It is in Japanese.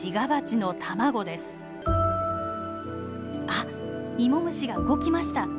あイモムシが動きました。